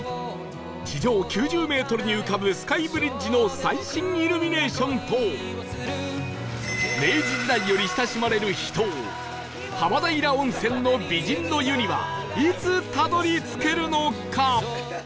地上９０メートルに浮かぶスカイブリッジの最新イルミネーションと明治時代より親しまれる秘湯浜平温泉の美人の湯にはいつたどり着けるのか？